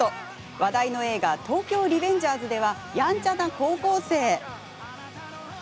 話題の映画「東京リベンジャーズ」ではやんちゃな高校生。